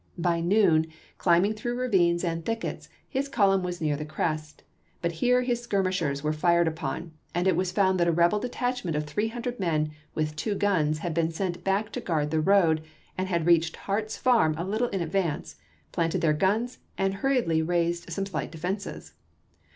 By noon, climb ing through ravines and thickets, his column was near the crest ; but here his skirmishers were fired upon, and it was found that a rebel detachment of three hundred men with two guns had been sent back to guard the road, and had reached Hart's farm a little in advance, planted their guns, and hurriedly raised some slight defenses.